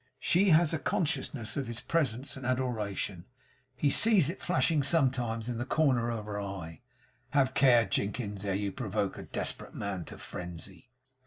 She has a consciousness of his presence and adoration. He sees it flashing sometimes in the corner of her eye. Have a care, Jinkins, ere you provoke a desperate man to frenzy!